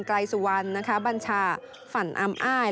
กลายสุวรรณนะคะบัญชาฝรั่งอามอ้าย